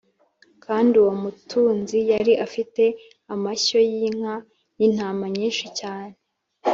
Kandi uwo mutunzi yari afite amashyo y’inka n’intama nyinshi cyane.